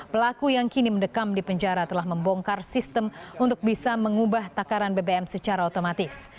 pelaku yang kini mendekam di penjara telah membongkar sistem untuk bisa mengubah takaran bbm secara otomatis